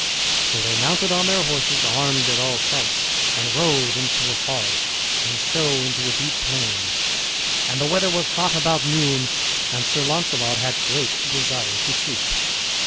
So they mounted on their horses, armed at all sights, and rode into a forest, and so into a deep plain. And the weather was hot about noon, and Sir Launcelot had great desire to sleep.